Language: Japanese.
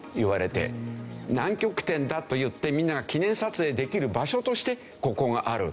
南極点だといってみんなが記念撮影できる場所としてここがある。